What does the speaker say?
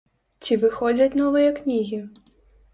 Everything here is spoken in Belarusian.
Ці выходзяць новыя кнігі?